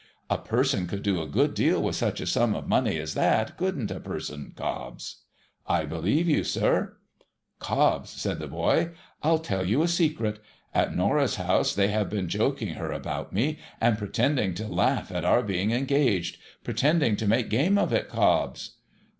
' A person could do a good deal with such a sum of money as that, — couldn't a person, Cobbs ?'' I believe you, sir !'' Cobbs,' said the boy, ' I'll tell you a secret. At Norah's house, they have been joking her about me, and pretending to laugh at our being engaged, — pretending to make game of it, Cobbs